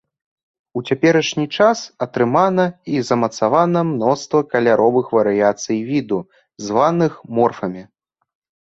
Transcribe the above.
У цяперашні час атрымана і замацавана мноства каляровых варыяцый віду, званых морфамі.